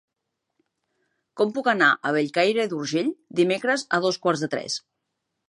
Com puc anar a Bellcaire d'Urgell dimecres a dos quarts de tres?